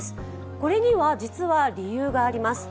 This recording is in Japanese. これには実は理由があります。